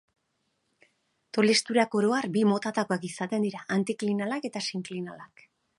Tolesturak, oro har, bi motatakoak izaten dira: antiklinalak eta sinklinalak.